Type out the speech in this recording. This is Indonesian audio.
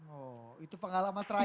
oh itu pengalaman terakhir